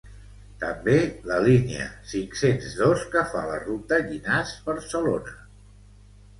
També la línia cinc-cents dos que fa la ruta Llinars -Barcelona